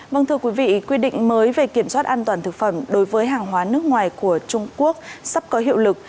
vâng thưa quý vị quy định mới về kiểm soát an toàn thực phẩm đối với hàng hóa nước ngoài của trung quốc sắp có hiệu lực